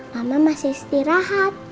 mama masih istirahat